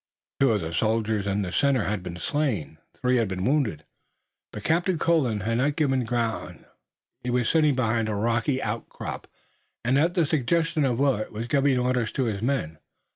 Two of the soldiers in the center had been slain, and three had been wounded, but Captain Colden had not given ground. He was sitting behind a rocky outcrop and at the suggestion of Willet was giving orders to his men.